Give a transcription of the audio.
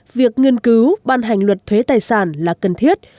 việc nghiên cứu ban hành luật thuế tài sản là cần thiết